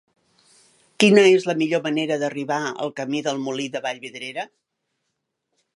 Quina és la millor manera d'arribar al camí del Molí de Vallvidrera?